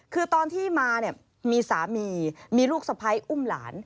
คือตอนที่มาเนี่ยมีสามีมีลูกสะพ้ายอุ้มหลาน